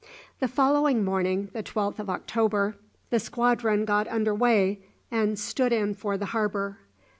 The following morning, the 12th of October, the squadron got under weigh and stood in for the harbour.